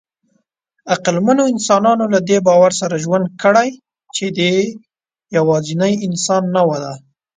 عقلمنو انسانانو له دې باور سره ژوند کړی، چې دی یواځینۍ انساني نوعه ده.